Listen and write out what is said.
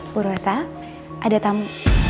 burasa ada tamu